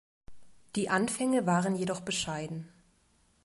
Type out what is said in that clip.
Die Anfänge waren jedoch bescheiden.